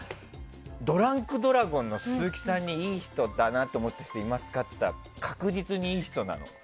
ドランクドラゴンの鈴木さんにいい人だなと思う人いますか？って聞いたら確実にいい人なのよ。